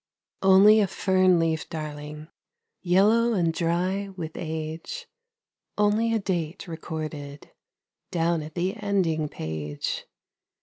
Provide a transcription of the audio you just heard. Only a fern leaf, darling, Yellow and dry with age, Only a date recorded Down at the ending page.